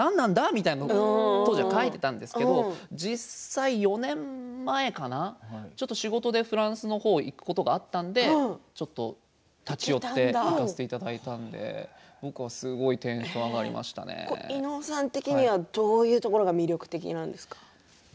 みたいに当時は描いていたんですけれど実際４年前かなちょっと仕事でフランスの方に行くことがあったので立ち寄って行かせていただいたので僕はすごくテンションが伊野尾さん的にはどういうところが魅力的なんですか？